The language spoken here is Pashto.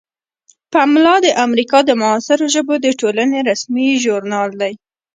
پملا د امریکا د معاصرو ژبو د ټولنې رسمي ژورنال دی.